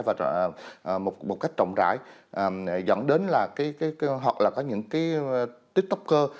và một cách rộng rãi dẫn đến là hoặc là có những cái tiktoker